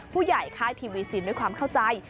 ค่ายทีวีซินด้วยความเข้าใจ